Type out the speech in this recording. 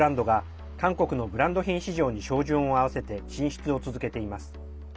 今、世界の高級ブランドが韓国のブランド品市場に照準を合わせて進出を続けています。